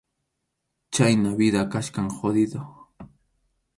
Chhayna vida kachkan jodido.